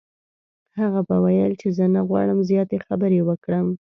هغه به ویل چې زه نه غواړم زیاتې خبرې وکړم.